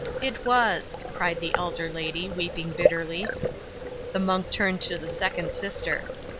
'"It was," cried the elder lady, weeping bitterly. 'The monk turned to the second sister.